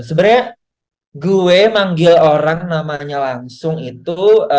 sebenarnya gue manggil orang namanya langsung itu